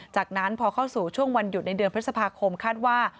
จากนั้นพอเข้าสู่ช่วงวันหยุดในเดือนพฤษภาคมคาดว่า